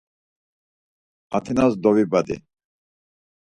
Atinas dovibadi.